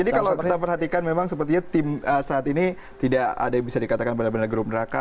jadi kalau kita perhatikan memang sepertinya tim saat ini tidak ada yang bisa dikatakan benar benar gerob neraka